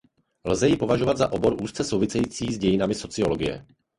Lze ji považovat za obor úzce související s dějinami sociologie.